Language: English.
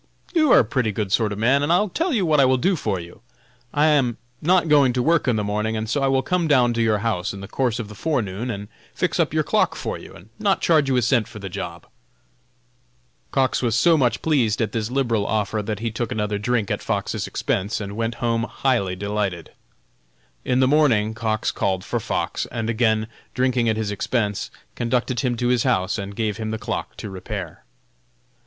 you are a pretty good sort of a man, and I'll tell you what I will do for you; I am not going to work in the morning, and so I will come down to your house in the course of the forenoon and fix up your clock for you and not charge you a cent for the job." Cox was so much pleased at this liberal offer that he took another drink at Fox's expense and went home highly delighted. In the morning Cox called for Fox, and again drinking at his expense, conducted him to his house and gave him the clock to repair.